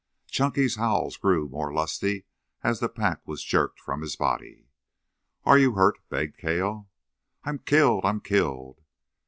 Chunky's howls grew more lusty as the pack was jerked from his body. "Are you hurt?" begged Cale. "I'm killed! I'm killed!"